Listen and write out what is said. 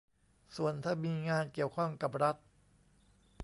ส่วนถ้ามีงานเกี่ยวข้องกับรัฐ